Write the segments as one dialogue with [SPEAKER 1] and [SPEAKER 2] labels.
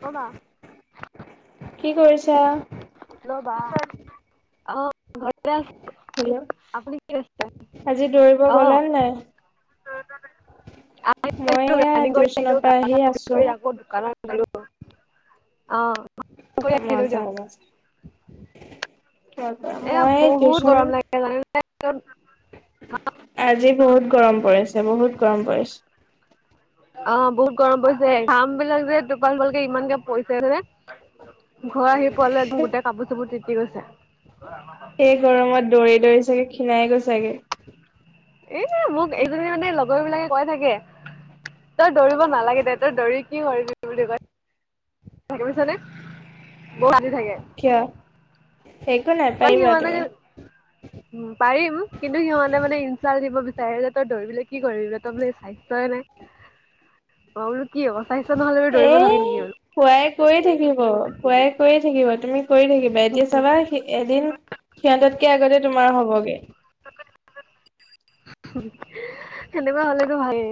[SPEAKER 1] ক বা
[SPEAKER 2] কি কৰিছা?
[SPEAKER 1] অ ঘৰত আপুনি কি কৰিছে
[SPEAKER 2] আজি দৌৰিব গ'লা
[SPEAKER 1] অহ।
[SPEAKER 2] নাই?
[SPEAKER 1] [unintelligible]
[SPEAKER 2] মই এয়া টিউচনৰ পৰা আহি আছো।
[SPEAKER 1] অ কৰি
[SPEAKER 2] অ',
[SPEAKER 1] আহিলো
[SPEAKER 2] মজা
[SPEAKER 1] দিয়া।
[SPEAKER 2] আছে তাৰ পৰা
[SPEAKER 1] এ
[SPEAKER 2] মই
[SPEAKER 1] বহুত
[SPEAKER 2] টিউচন
[SPEAKER 1] গৰম
[SPEAKER 2] -
[SPEAKER 1] লাগে জানেনে?
[SPEAKER 2] আজি বহুত গৰম পৰিছে- বহুত গৰম পৰিছে।
[SPEAKER 1] অ', বহুত গৰম পৰিছে, ঘাম বিলাক যে টোপাল টোপালকে ইমানকে পৰিছে নে। ঘৰ আহি পোৱালে একদম গোটেই কাপোৰ চাপোৰ তিতি গৈছে।
[SPEAKER 2] এই গৰমত দৌৰি দৌৰি চাগে ক্ষীণাই গৈ ছাগে।
[SPEAKER 1] এ মোক এইজনী মানে লগৰ বিলাকে কৈ থাকে। তই দৌৰিব নালাগে দে, তই দৌৰি কি কৰিবি কি বুলি কয়। থাকি পাইছা নে? বৌ ইয়াতে থাকে।
[SPEAKER 2] কিয় একো নাই পাৰিবা
[SPEAKER 1] সিহতে
[SPEAKER 2] তুমি।
[SPEAKER 1] পাৰিম কিন্তু সিহঁতে মানে ইঞ্চাৰ দিব বি- টায়াৰ লৈ দৌৰি বোলে কি কৰিবি বোলে তই বোলে স্বাস্থ্যই নাই। মই বোলো কি হব? স্বাস্থ্য নহলে বোলো দৌৰিব নালাগে নেকি বাৰু।
[SPEAKER 2] কোৱাই কৈয়ে থাকিব কোৱাই কৈয়ে থাকিব তুমি কৰি থাকিবা এতিয়া চাবা স এদিন সিহঁততকে আগতে তোমাৰ হবগে।
[SPEAKER 1] [unintelligible] সেনেকোৱা হলেতো ভালে।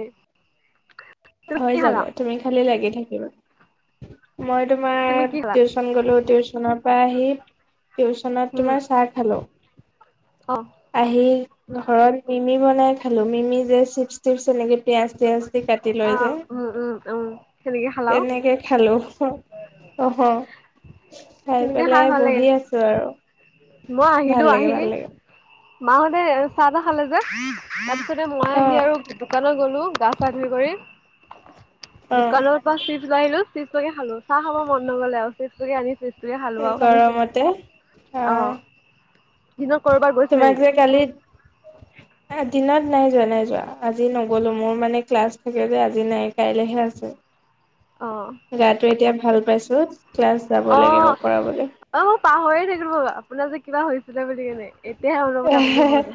[SPEAKER 2] হৈ যাব তুমি খালি লাগি থাকিবা। মই
[SPEAKER 1] তুমি
[SPEAKER 2] তোমাৰ
[SPEAKER 1] কি খালা?
[SPEAKER 2] টিউচন গ'লো, টিউচনৰ পৰা আহি টিউচনত
[SPEAKER 1] উম,
[SPEAKER 2] তোমাৰ চাহ খালো
[SPEAKER 1] অ',
[SPEAKER 2] আহি ঘৰত মিমি বনাই খালো মিমি যে চিপছ চিপছ এনেকে আস্ত আস্তছে, কাট লৈ
[SPEAKER 1] অ',
[SPEAKER 2] যে
[SPEAKER 1] উম, উম, উম। সেনেকে খালা আৰু
[SPEAKER 2] তেনেকে খালো অ খাই
[SPEAKER 1] সেনেকে
[SPEAKER 2] পেলাই
[SPEAKER 1] ভাল লাগে।
[SPEAKER 2] বহি আছো আৰু
[SPEAKER 1] মই আহিলো
[SPEAKER 2] ভাল লাগে
[SPEAKER 1] আহি
[SPEAKER 2] ভাল লাগে
[SPEAKER 1] মাহঁতে চাহ ত খালে যে, তাতে মই
[SPEAKER 2] অ
[SPEAKER 1] আহি আৰু দোকানত গলো গাচা ধুই কৰি
[SPEAKER 2] অ
[SPEAKER 1] দোকানৰ পৰা চিপছ লৈ আহিলো চিপছ লৈয়ে খালো চাহ খাব মন নগলে আৰু চিপছটোকে আনি চিপছ তয়ে খালো
[SPEAKER 2] গৰমতে অ
[SPEAKER 1] আহ দিনৰত কৰবাৰ
[SPEAKER 2] তোমাক যে কালি-
[SPEAKER 1] [inaudible]
[SPEAKER 2] দিনত নাই যোৱা- নাই যোৱা আজি নগ'লো মোৰ মানে ক্লাছ থাকে যে আজি নাই কাইলেহে আছে।
[SPEAKER 1] অ',
[SPEAKER 2] গাটো এতিয়া ভাল পাইছো। ক্লাছ যাব লাগিব
[SPEAKER 1] অ'।
[SPEAKER 2] পঢ়াবলৈ
[SPEAKER 1] অ', মই পাহৰি থাকিলো আপোনাৰ যে কিবা হৈছিলে বুলি কেনে এতিয়াহে মনত
[SPEAKER 2] এ
[SPEAKER 1] পৰিছে আপুনি
[SPEAKER 2] হে হে
[SPEAKER 1] কওঁতে।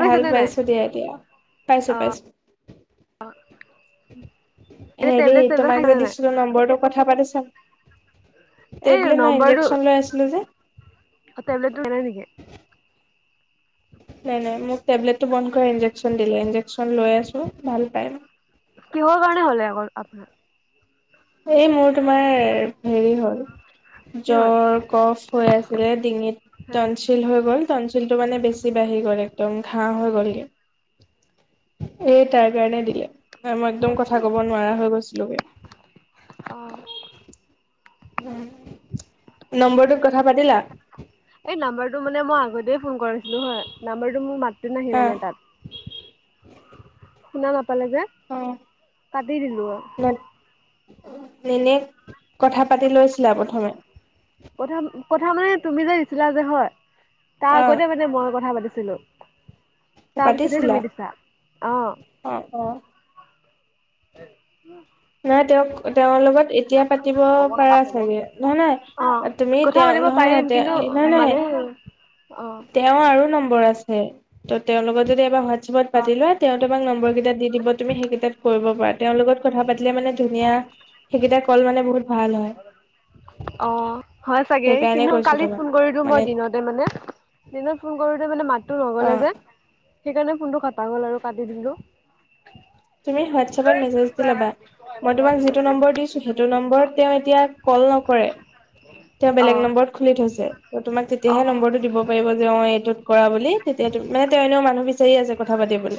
[SPEAKER 1] পাইছে
[SPEAKER 2] ভাল
[SPEAKER 1] নে নাই?
[SPEAKER 2] পাইছো দিয়া দিয়া পাইছো পাইছ
[SPEAKER 1] অ', এতিয়া
[SPEAKER 2] হেৰি
[SPEAKER 1] টেবলেট চেবলেট
[SPEAKER 2] তোমাক
[SPEAKER 1] খাইছে
[SPEAKER 2] যে
[SPEAKER 1] নে নাই?
[SPEAKER 2] দিছিলো নম্বৰটো কথা পাতিছা
[SPEAKER 1] এই
[SPEAKER 2] টেবলেট নহয়
[SPEAKER 1] নম্বৰটো
[SPEAKER 2] ইন্জেকচন লৈ আছিলো যে।
[SPEAKER 1] টেবলেটটো এনে নেকি?
[SPEAKER 2] নাই নাই মোক টেবলেটো বন্ধ কৰি দিলে ইনজেকন লৈ আছো ভাল পা
[SPEAKER 1] ক কাৰণে হ'লে আক আপোনাৰ
[SPEAKER 2] এই মোৰ তোমাৰ হেৰি হ'ল
[SPEAKER 1] কি হ'ল?
[SPEAKER 2] জ্বৰ কফ হৈ আছিলে ডিঙিত
[SPEAKER 1] হে
[SPEAKER 2] তনচিল হৈ গ'ল তনচিল টো মানে বেছি বাঢ়ি গল একদম ঘাঁ হৈ
[SPEAKER 1] অ',
[SPEAKER 2] গলগে এই তাৰ কাৰণে দিলে। নাই মই একদম
[SPEAKER 1] ক'ত
[SPEAKER 2] কথা কব নোৱাৰা হৈ গৈছিলোগে।
[SPEAKER 1] অ
[SPEAKER 2] উম
[SPEAKER 1] এই নাম্বৰটো মানে মই আগতে ফোন কৰাছো নহয় নাম্বাৰটো মোৰ মাতটো নাহিলে
[SPEAKER 2] অ
[SPEAKER 1] মানে তাত শুন ফালে যে কাটি দিলো আৰু।
[SPEAKER 2] ন এনে কথা পাতি লৈছিলা প্ৰথমে?
[SPEAKER 1] প্ৰথম কথা মানে তুমি যে দিছিলা যে হয়। তাৰ
[SPEAKER 2] অ
[SPEAKER 1] আগতে মানে মই কথা পাতিছো। তাৰপিছতে
[SPEAKER 2] পাতিছিলা
[SPEAKER 1] তুমি দিছা? আহ। হ
[SPEAKER 2] অ অ'।
[SPEAKER 1] উম
[SPEAKER 2] নাই তেওঁ ক তেওঁৰ লগত এতিয়া পাতিব পাৰা চাগে নহয়
[SPEAKER 1] অ
[SPEAKER 2] নাই তুমি
[SPEAKER 1] কথা
[SPEAKER 2] তেওঁ
[SPEAKER 1] পাতিব
[SPEAKER 2] নহয়
[SPEAKER 1] পাৰিম
[SPEAKER 2] নহয়
[SPEAKER 1] কিন্তু
[SPEAKER 2] তেওঁ
[SPEAKER 1] মানে অ
[SPEAKER 2] তেওঁ আৰু নম্বৰ আছে ত তেওঁৰ লগত যদি এবাৰ হোৱাটছএপত পাতি লোৱা তেওঁ তোমাক নম্বৰকেইটা দি দিব তুমি সেইকেইটাত কৰিব পাৰা তেওঁৰ লগত কথা পাতি- মানে ধুনীয়া সেইকেইটা কল মানে বহুত ভাল হয়।
[SPEAKER 1] অ হয় চাগে
[SPEAKER 2] সেইকাৰণে
[SPEAKER 1] কিন্তু
[SPEAKER 2] কৈছো
[SPEAKER 1] কালি
[SPEAKER 2] তোমাক
[SPEAKER 1] ফোন কৰি দিওঁ
[SPEAKER 2] মানে
[SPEAKER 1] মই দিনতে মানে দিনত ফোন কৰোতে মানে মাতো নগলে
[SPEAKER 2] অ
[SPEAKER 1] যে? সেইকাৰণে ফোনটো খটা গ'ল আৰু কাটি দিলো।
[SPEAKER 2] তুমি হোৱাটছএপ মেছেজ দি লবা, মই তোমাক যিটো নম্বৰ দিছোঁ সেইটো নম্বৰত তেওঁ এতিয়া কৰে, কৰে। তেওঁ
[SPEAKER 1] অ
[SPEAKER 2] বেলেগ নম্বৰত খোলি থৈছে ত তোমাক তেতিয়াহে
[SPEAKER 1] অ
[SPEAKER 2] নম্বৰটো দিব পাৰিব যে অ এইটোত কৰা বুলি তেতিয়া মানে তেওঁ এনেও মানুহ বিচাৰি আছে কথা পাতিলে।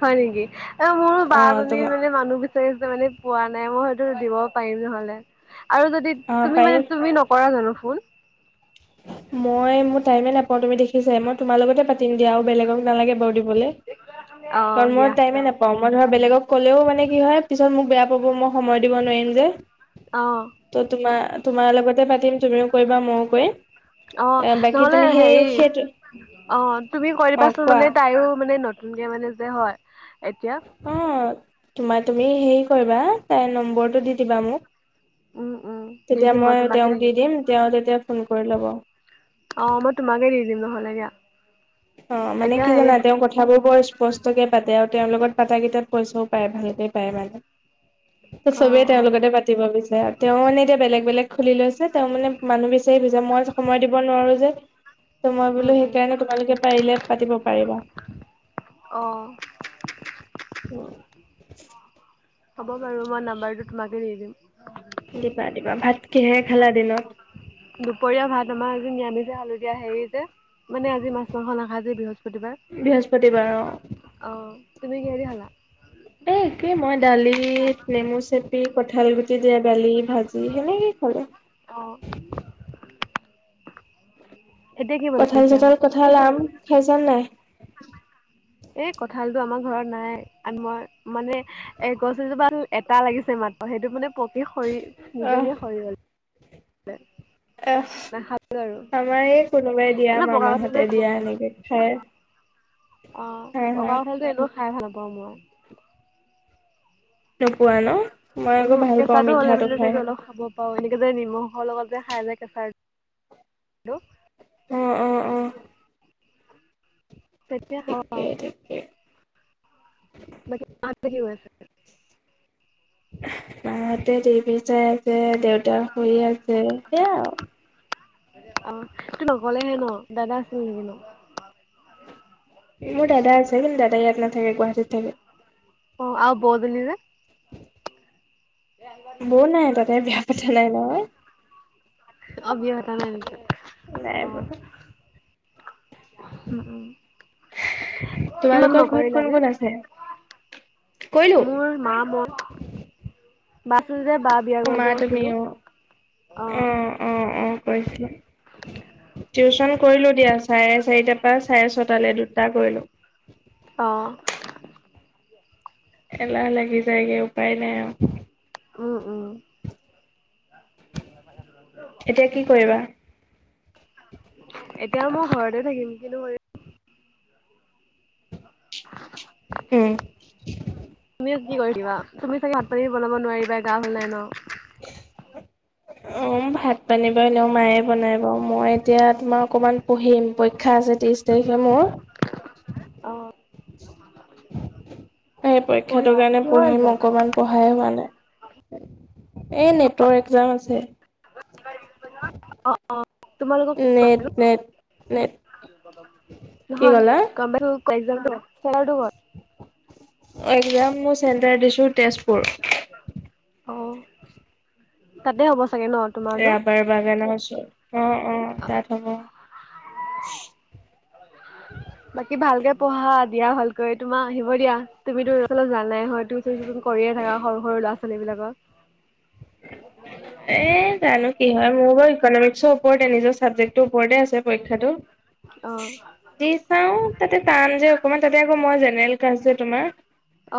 [SPEAKER 1] হয় নেকি? এ মোৰো বা জনী মানে মানুহ বিচাৰিছে মানে পোৱা নাই। মই হয়তো দিবও পাৰিম নহলে। আৰু যদি
[SPEAKER 2] অ
[SPEAKER 1] তুমি
[SPEAKER 2] পাৰি
[SPEAKER 1] মানে তুমি নকৰা জানো ফোন?
[SPEAKER 2] মই মোৰ টাইমে নাপাও তুমি দেখিছা মই তোমাৰ লগতে পাতিম দিয়া আৰু বেলেগক নালাগে বৰু
[SPEAKER 1] অ'
[SPEAKER 2] কাৰণ মই
[SPEAKER 1] দিয়া
[SPEAKER 2] টাইমে
[SPEAKER 1] নহ'লে।
[SPEAKER 2] নাপাও মই ধৰ বেলেগক ক'লেও মানে- মে কি হয় পিছত মোক বেয়া পাব মই সময় দিব নোৱাৰিম যে,
[SPEAKER 1] অ'
[SPEAKER 2] ত তোমাৰ তোমাৰ লগতে পাতিম তুমিও কৰিবা মইও কৰিম।
[SPEAKER 1] অ
[SPEAKER 2] এ বাকী
[SPEAKER 1] নহ'লে
[SPEAKER 2] তুমি সেই
[SPEAKER 1] হেৰি
[SPEAKER 2] সেইটো
[SPEAKER 1] অ তুমি কৈ
[SPEAKER 2] অ
[SPEAKER 1] দিবাচোন
[SPEAKER 2] কোৱা
[SPEAKER 1] মানে
[SPEAKER 2] অ
[SPEAKER 1] তাইও মানে ন কে মানে যে হয় এতিয়া [unintelligible]
[SPEAKER 2] তোমাৰ তুমি হেৰি কৰিবা তাই নম্বৰটো দি দিবা মোক।
[SPEAKER 1] উম, উম, দি
[SPEAKER 2] তেতিয়া
[SPEAKER 1] দিম
[SPEAKER 2] মই
[SPEAKER 1] তোমাকে
[SPEAKER 2] তেওঁক দি দিম তেওঁ তেতিয়া ফোন কৰি ল'ব
[SPEAKER 1] অ মই তোমাকে দি দিম নহ'লে দিয়া।
[SPEAKER 2] অ মানে
[SPEAKER 1] এতিয়া
[SPEAKER 2] কি
[SPEAKER 1] হেৰি
[SPEAKER 2] জানা তেওঁ কথাবোৰ বৰ স্পষ্ট ষ্টকে পাতে আৰু তেওঁৰ লগত পাতা কেইটাত পইচাও পায় ভালকে পায় মানে। ত
[SPEAKER 1] অ',
[SPEAKER 2] চবেই
[SPEAKER 1] অ',
[SPEAKER 2] তেওঁলোকতে পাতিব বিচাৰে আৰু। [unintelligible] তেওঁ মানে এতিয়া বেলেগ বেলেগ খুলি লৈছে তেওঁ মানে মানুহ বিচাৰি ফূৰিছে মই সময় দিব নোৱাৰো যে, ত মই
[SPEAKER 1] উম,
[SPEAKER 2] বোলো
[SPEAKER 1] উম,
[SPEAKER 2] সেইকাৰণে তোমালোকে পাৰিলে পাতিব পাৰিবা।
[SPEAKER 1] অ'।
[SPEAKER 2] উম [unintelligible]
[SPEAKER 1] হ'ব বাৰু মই নাম্বাৰটো তোমাকে দি দিম।
[SPEAKER 2] দিবা দিবা ভাত কিহে খালা দিনত?
[SPEAKER 1] দুপৰীয়া ভাত আমাৰ এ নিৰামিস এ খালো দিয়া এ হেৰি যে - মানে আজি মাছ মাংস নাখায় যে বৃহস্পতিবাৰ
[SPEAKER 2] বৃহস্পতিবাৰ অ
[SPEAKER 1] আহ তুমি কিহেদি খালা?
[SPEAKER 2] ডালি নেমু চেপি কঠালগুটি দিয়া দালি, ভাজি সেনেকেই খালো।
[SPEAKER 1] অ এতিয়া কি
[SPEAKER 2] কঁঠাল
[SPEAKER 1] বনাইছে
[SPEAKER 2] চঠাল
[SPEAKER 1] আকৌ
[SPEAKER 2] কঁঠাল আম সেইচব নাই। [unintelligible]
[SPEAKER 1] এ কঁঠালটো আমাৰ ঘৰত নাই আমাৰ মানে এ গছ এজোপা এটা লাগিছে মানে। পা সেইটো মানে পকি সৰি নিজে নিজে সৰি গল মানে [unintelligible]
[SPEAKER 2] এ'ফ। আমাৰ এই কোনোবাই দিয়া
[SPEAKER 1] এনেও পকা কঁঠালটো
[SPEAKER 2] মামাহঁতে
[SPEAKER 1] খাব
[SPEAKER 2] দিয়া
[SPEAKER 1] নোৱাৰো
[SPEAKER 2] এনেকে খাই।
[SPEAKER 1] অ
[SPEAKER 2] হা হা
[SPEAKER 1] পকা কঠালতো এনেও খাই ভাল [unintelligible] পাওঁ মই।
[SPEAKER 2] নোপোৱা ন? মই আকৌ ভাল পাওঁ
[SPEAKER 1] কেঁচাতো হ'লে
[SPEAKER 2] মিঠাটো
[SPEAKER 1] মানে
[SPEAKER 2] খাই।
[SPEAKER 1] চাগে অলপ খাব এনেকে যে নিমখৰ লগত যে খায় যে কেঁচা-
[SPEAKER 2] অ অ অ
[SPEAKER 1] তেতিয়া খাব
[SPEAKER 2] ঠিকে
[SPEAKER 1] পাও‌
[SPEAKER 2] ঠিকে।
[SPEAKER 1] বাকী আঠ বাজি গৈ আছে। [inaudible]
[SPEAKER 2] মাহঁতে টিভি চাই আছে দেউতাৰ শুই আছে সেয়া আৰু,
[SPEAKER 1] অ ত নকলেহে ন দাদা আছিল নেকি ন? [unintelligible]
[SPEAKER 2] মোৰ দাদা আছে কিন্তু দাদাই ইয়াত নাথাকে গুৱাহাটীত থাকে।
[SPEAKER 1] অ আৰু বৌ জনী যে, [unintelligible]
[SPEAKER 2] বৌ নাই দাদাই বিয়া পতা নাই নহয়।
[SPEAKER 1] অব্যাহতা নাই [unintelligible]
[SPEAKER 2] নাই
[SPEAKER 1] অ
[SPEAKER 2] প [unintelligible]
[SPEAKER 1] উম উম কিমান
[SPEAKER 2] তোমালোকৰ ঘৰত
[SPEAKER 1] নকৰিলা
[SPEAKER 2] কোন
[SPEAKER 1] যে
[SPEAKER 2] কোন আছে? কৰিলো
[SPEAKER 1] মোৰ মা বৌ বাচ [unintelligible]
[SPEAKER 2] অ মা তুমি অ,
[SPEAKER 1] অ
[SPEAKER 2] অ, অ, কৈছিলে [unintelligible] টিউশন কৰিলো দিয়া চাৰে চাৰিটাৰ পৰা চাৰে ছটালৈ দুটা কৰিলো।
[SPEAKER 1] অ'।
[SPEAKER 2] এলাহ লাগি যায়গে উপায় নাই আৰু
[SPEAKER 1] উম উম
[SPEAKER 2] এতিয়া কি কৰিবা?
[SPEAKER 1] এতিয়া মই ঘৰতে থাকিম কিন্তু ম
[SPEAKER 2] উম
[SPEAKER 1] তুমি কি কৰি দিবা তুমি চাগে ভাত পানী বনাব নোৱাৰিবা গা ভাল নাই ন।
[SPEAKER 2] অ ভাত পানী বা এনেও মায়ে বনাই বা মই এতিয়া তোমাৰ অকণমান পঢ়িম পৰীক্ষা আছে- তিশ তাৰিখে মোৰ-
[SPEAKER 1] অহ'।
[SPEAKER 2] সেই পৰীক্ষাটোৰ কাৰণে পঢ়িম অকনমান পঢ়াই হোৱা নাই। এ নেটৰ অক্সজাম আছে।
[SPEAKER 1] তোমালোকক
[SPEAKER 2] নেট নেট নেট কি
[SPEAKER 1] নহয়
[SPEAKER 2] ক'লা
[SPEAKER 1] গম প ক [unintelligible]
[SPEAKER 2] এক্সজাম মোৰ চেণ্টাৰ দিছোঁ তেজপুৰ।
[SPEAKER 1] ক'ত অ তাতে অৱস্থা
[SPEAKER 2] ৰাবাৰ বাগানৰ ওচৰত অ অ তাত হ'ব। [inaudible]
[SPEAKER 1] বাকী ভালকে পঢ়া দিয়া ভালকৈ‌, তোমাৰ আহিব দিয়া। তুমিতোএইফালে যোৱা নাই হয় টিউচন চিউচন কৰিয়ে থাকা সৰু সৰু ল'ৰা ছোৱালী বিলক।
[SPEAKER 2] এ জানো কি হয়? মোৰ বাৰু ইকনমিক্সৰ ওপৰতে নিজৰ- চাবজেক্টটোৰ ওপৰতে আছে পৰীক্ষাটো।
[SPEAKER 1] অ
[SPEAKER 2] দি চাও তাতে টান যে অকমান তাতে আকৌ মই জেনেৰেল কাৰ্ছ যে তোমাৰ।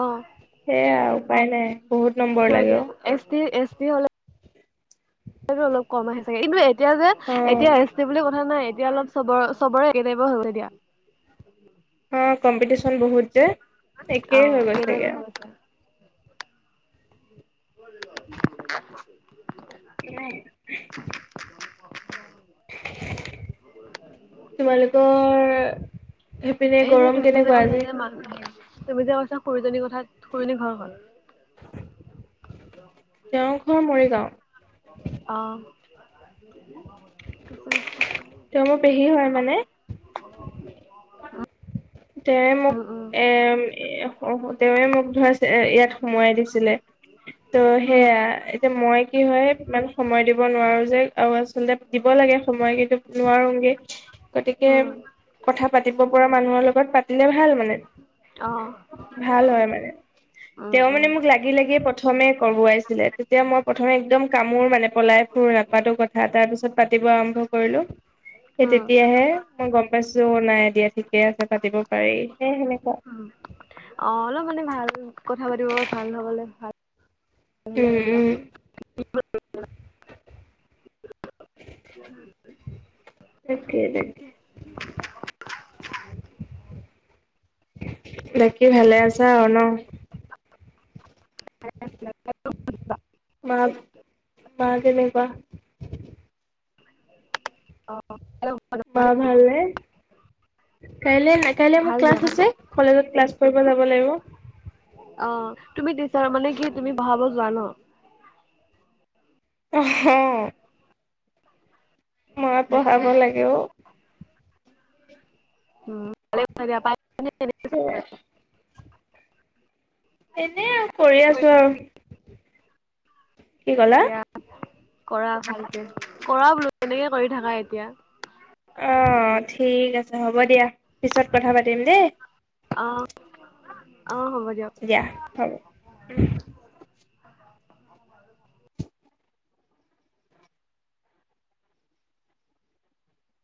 [SPEAKER 1] অ
[SPEAKER 2] সেয়াই আৰু উপায় নাই। বহুত নম্বৰ
[SPEAKER 1] হয়
[SPEAKER 2] লাগে
[SPEAKER 1] দিয়া
[SPEAKER 2] অ',
[SPEAKER 1] এছ টি এছ টি হলে অলপ কম আহে চাগে কিন্তু এতিয়া যে
[SPEAKER 2] অ',
[SPEAKER 1] এতিয়া এছ টি বুলি কথা নাই। এতিয়া অলপ চবৰে চবৰে একে টাইপৰ হ'ল এতিয়া।
[SPEAKER 2] অ কম্পিটিশন বহুত যে
[SPEAKER 1] অ
[SPEAKER 2] একেই হৈ
[SPEAKER 1] একে
[SPEAKER 2] গৈছেগে
[SPEAKER 1] টাইপৰ হৈ
[SPEAKER 2] আও।
[SPEAKER 1] গৈছে [unintelligible]
[SPEAKER 2] [unintelligible] তোমালোকৰ- সেইপিনে
[SPEAKER 1] এই যে
[SPEAKER 2] গৰম
[SPEAKER 1] তুমি যে
[SPEAKER 2] কেনেকুৱা
[SPEAKER 1] কৈছা
[SPEAKER 2] আজি?
[SPEAKER 1] যে মহ তুমি যে কৈছা খুৰিজনীৰ কথা খুুৰৰিজনী ঘৰ কত?
[SPEAKER 2] তেওঁৰ ঘৰ মৰিগাঁও
[SPEAKER 1] অ। উম
[SPEAKER 2] তেওঁ মোৰ পেহী হয় মানে। তেৱে মোক
[SPEAKER 1] উম
[SPEAKER 2] এ তেৱে মোক ধৰা ইয়াত সোমোৱাই দিছিলে। ত' সেয়া
[SPEAKER 1] উম
[SPEAKER 2] এতিয়া মই কি হয় ইমান সময় দিব নোৱাৰো যে আৰু আচলতে দিব [unintelligible] লাগে সময় কিন্তু নোৱাৰোগে গতিকে
[SPEAKER 1] উম
[SPEAKER 2] কথা পাতিব পৰা মানুহৰ লগত লগত পাতিলে ভাল মানে।
[SPEAKER 1] অ
[SPEAKER 2] ভাল হয় মানে
[SPEAKER 1] উম
[SPEAKER 2] তেওঁ মানে
[SPEAKER 1] উম
[SPEAKER 2] মোক লাগি লাগিয় প্ৰ [unintelligible] প্ৰথমে কৰবাইছিলে, তেতিয়া মই প্ৰথমে একদম কামোৰ মানে পলাই ফুৰ নপাটো কথা তাৰপিছত পাতি- আৰম্ভ কৰিলো সেই
[SPEAKER 1] উম
[SPEAKER 2] তেতিয়াহে মই গম পাইছো নাই দিয়া ঠিকে আছে। পাতিব পাৰি সে সেনেুৱা
[SPEAKER 1] অ অলপ মানে ভাল কথা পাতিব ভাল হবলে ভাল
[SPEAKER 2] উম উম
[SPEAKER 1] [inaudible] [inaudible]
[SPEAKER 2] তাকে তাকে- বাকি ভালে আছা আৰু ন?
[SPEAKER 1] [inaudible]
[SPEAKER 2] মা মা কেনে কোৱো?
[SPEAKER 1] অহ।
[SPEAKER 2] মা ভাল নে? কাইলে না কাইলে মোৰ
[SPEAKER 1] ভাল দিয়া
[SPEAKER 2] কাল্লছ
[SPEAKER 1] ভাল
[SPEAKER 2] আছে, কলেজত ক্লাছ কৰিব যাব লাগিব।
[SPEAKER 1] অ তুমি টিচাৰ মানে কি তুমি পহাব যোৱা ন [unintelligible]
[SPEAKER 2] এহ হ। মই পঢ়াব লাগেও।
[SPEAKER 1] উমাল [unintelligible]
[SPEAKER 2] সেইয়ে! এনেই আৰু কৰি আছো আৰু। কি কলা?
[SPEAKER 1] দিয়া কৰা ভালকে কৰা বোলো তেনেকে কৰি থাকা এতিয়া-
[SPEAKER 2] অ, ঠিক আছে হ'ব দিয়া পিছত কথা পাতিম দেই
[SPEAKER 1] আহ
[SPEAKER 2] তেয়া হাব উ
[SPEAKER 1] [inaudible]